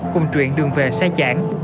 cùng truyện đường về sai chãn